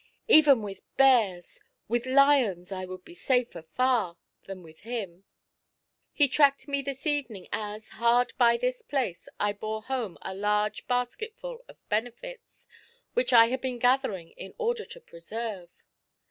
Even with bears — with lions I would be safer far than with him ! He tracked me this evening as, hard by this place, I bore home a large basket full of Benefits, which I had been gathering in order to preserve.